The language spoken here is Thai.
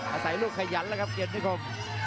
อาศัยลูกขยันแล้วครับเกียรตินิคม